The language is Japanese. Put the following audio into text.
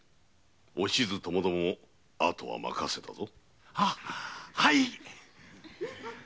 お静ともども後は任せたぞ。